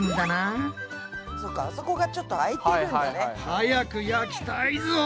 早く焼きたいぞ！